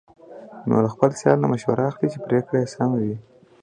نو له خپل سیال نه مشوره اخلي، چې پرېکړه یې سمه وي.